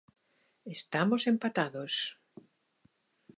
"Estamos empatados".